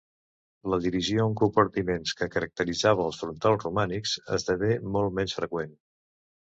La divisió en compartiments que caracteritzava els frontals romànics esdevé molt menys freqüent.